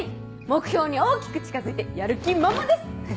目標に大きく近づいてやる気満々です！